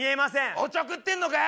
おちょくってんのかよ！